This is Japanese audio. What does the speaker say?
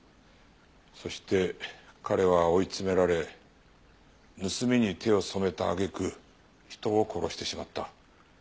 そして彼は追い詰められ盗みに手を染めた揚げ句人を殺してしまった。